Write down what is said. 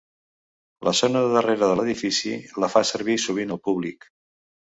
La zona de darrere de l'edifici la fa servir sovint el públic.